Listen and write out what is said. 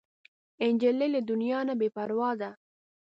نجلۍ له دنیا نه بې پروا ده.